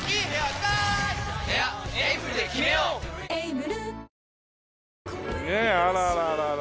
ねえあららららら